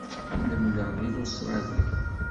Lemdeɣ deg Lustṛali.